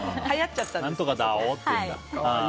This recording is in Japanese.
何とかだおって言うんだ。